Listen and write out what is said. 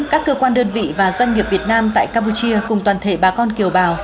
các cơ quan đơn vị và doanh nghiệp việt nam tại campuchia cùng toàn thể bà con kiều bào